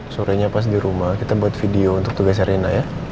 sorenya pas di rumah kita buat video untuk tugas erina ya